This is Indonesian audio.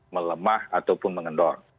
melemah ataupun mengendor